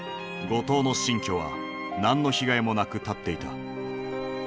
後藤の新居は何の被害もなく立っていた。